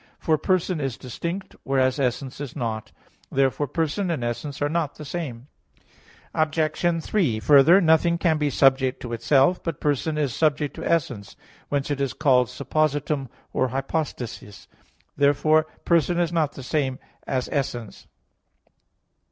For person is distinct, whereas essence is not. Therefore person and essence are not the same. Obj. 3: Further, nothing can be subject to itself. But person is subject to essence; whence it is called suppositum or "hypostasis." Therefore person is not the same as essence.